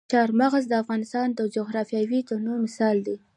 چار مغز د افغانستان د جغرافیوي تنوع مثال دی.